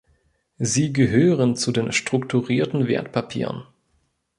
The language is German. Sie gehören zu den strukturierten Wertpapieren.